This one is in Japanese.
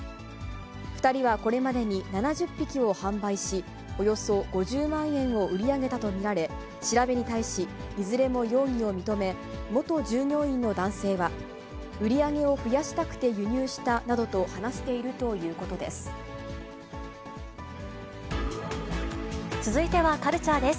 ２人はこれまでに７０匹を販売し、およそ５０万円を売り上げたと見られ、調べに対し、いずれも容疑を認め、元従業員の男性は、売り上げを増やしたくて輸入したなどと話しているということです。